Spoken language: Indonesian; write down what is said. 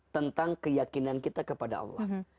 tentang keyakinan kita kepada allah